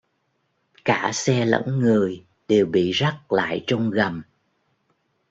cả xe lẫn người đều bị rắt lại trong gầm